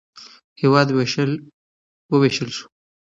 هېواد ووېشل شو.